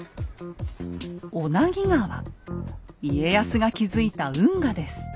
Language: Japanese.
家康が築いた運河です。